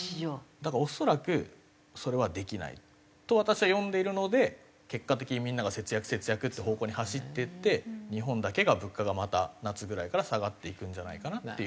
だから恐らくそれはできないと私は読んでいるので結果的にみんなが節約節約っていう方向に走っていって日本だけが物価がまた夏ぐらいから下がっていくんじゃないかなっていう。